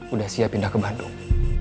udah siap pindah ke bandung